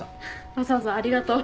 わざわざありがとう。